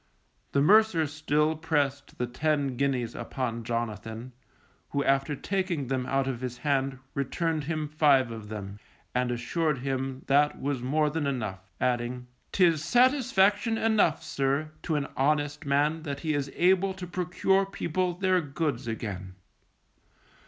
The mercer still pressed the ten guineas upon Jonathan, who after taking them out of his hand returned him five of them, and assured him that was more than enough, adding: _'Tis satisfaction enough, sir, to an honest man that he is able to procure people their goods again.